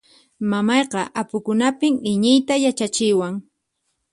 Mamayqa apukunapin iñiyta yachachiwan.